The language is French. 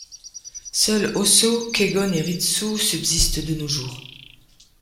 Seuls Hossō, Kegon et Ritsu subsistent de nos jours.